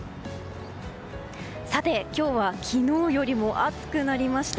さて、今日は昨日よりも暑くなりました。